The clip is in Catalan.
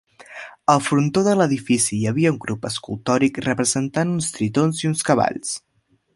Al frontó de l'edifici hi havia un grup escultòric representant uns tritons i uns cavalls.